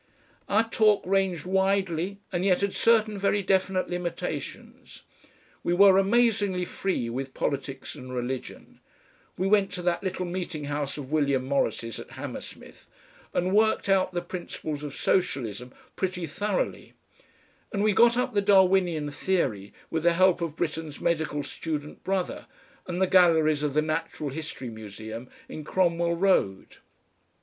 Our talk ranged widely and yet had certain very definite limitations. We were amazingly free with politics and religion, we went to that little meeting house of William Morris's at Hammersmith and worked out the principles of Socialism pretty thoroughly, and we got up the Darwinian theory with the help of Britten's medical student brother and the galleries of the Natural History Museum in Cromwell Road.